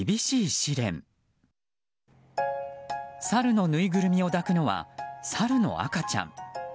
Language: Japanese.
サルのぬいぐるみを抱くのはサルの赤ちゃん。